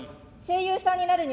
声優さんになるには。